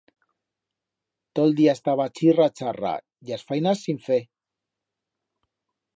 To'l día estaba chirra-charra, y as fainas sin fer.